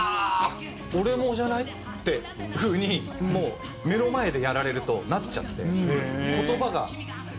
俺もじゃない？っていう風にもう目の前でやられるとなっちゃって。